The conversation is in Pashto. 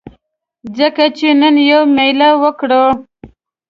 ځه چې نن یوه میله وکړو